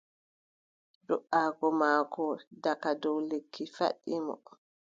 Do"aago maako daga dow lekki faɗɗi mo.